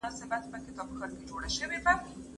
ژبه تل بدلېږي.